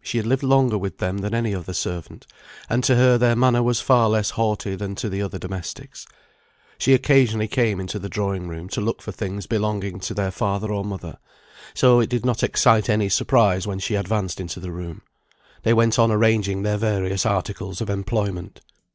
She had lived longer with them than any other servant, and to her their manner was far less haughty than to the other domestics. She occasionally came into the drawing room to look for things belonging to their father or mother, so it did not excite any surprise when she advanced into the room. They went on arranging their various articles of employment.